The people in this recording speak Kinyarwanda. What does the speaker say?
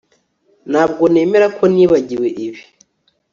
Ntabwo nemera ko nibagiwe ibi